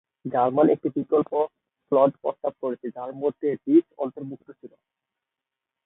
German একটি বিকল্প slate প্রস্তাব করেন যার মধ্যে রিস অন্তর্ভুক্ত ছিল।